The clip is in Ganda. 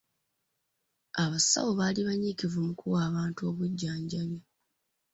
Abasawo bali banyiikivu mu kuwa bantu obujjanjabi.